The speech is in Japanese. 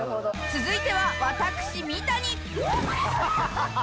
続いては私三谷